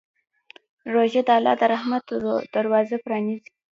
روژه د الله د رحمت دروازه پرانیزي.